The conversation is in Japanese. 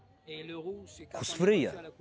コスプレーヤーだ。